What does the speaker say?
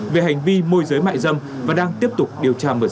về hành vi môi giới mại dâm và đang tiếp tục điều tra mở rộng